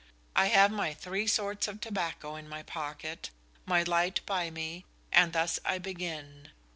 I have my three sorts of tobacco in my pocket, my light by me, and thus I begin.